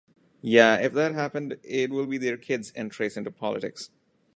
Ya, if that happened it will be their kids entrace into politics.